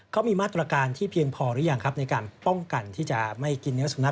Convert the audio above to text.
เขามีมาตรการที่เพียงพอหรือยังครับในการป้องกันที่จะไม่กินเนื้อสุนัข